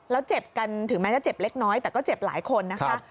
แล้วเจ็บกันถึงแม้จะเจ็บเล็กน้อยแต่ก็เจ็บหลายคนนะคะ